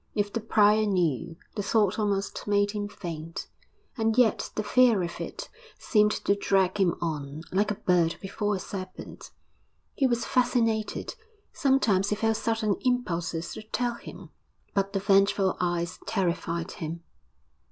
If the prior knew the thought almost made him faint. And yet the fear of it seemed to drag him on; like a bird before a serpent, he was fascinated. Sometimes he felt sudden impulses to tell him but the vengeful eyes terrified him.